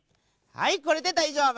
はいこれでだいじょうぶ！